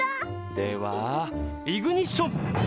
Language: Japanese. ではイグニッション！